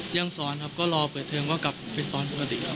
ยังสอนครับก็รอเปิดเทอมก็กลับไปสอนปกติครับ